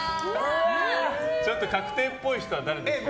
ちょっと確定っぽい人は誰ですか？